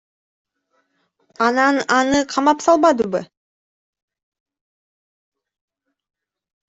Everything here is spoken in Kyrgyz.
Анан аны камап салбадыбы.